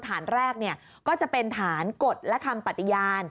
ฐานแรกก็จะเป็นฐานกฎและคำปฏิญาณ